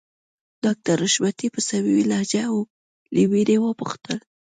ډاکټر حشمتي په صميمي لهجه له مينې وپوښتل